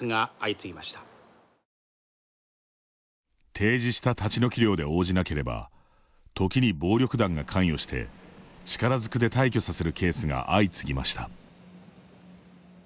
提示した立ち退き料で応じなければ時に暴力団が関与して力ずくで退去させるケースが相次ぎました。